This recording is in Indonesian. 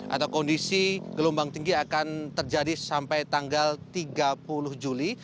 atau kondisi gelombang tinggi akan terjadi sampai tanggal tiga puluh juli